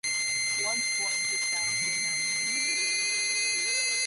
Once formed his style did not change greatly.